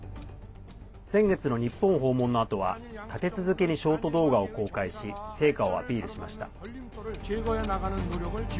先月の日本訪問のあとは立て続けにショート動画を公開し成果をアピールしました。